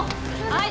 はい。